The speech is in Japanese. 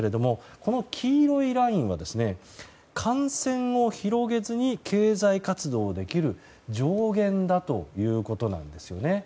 この黄色いラインは感染を広げずに経済活動できる上限だということなんですよね。